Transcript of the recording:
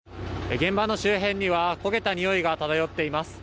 現場の周辺には焦げたにおいがただよっています。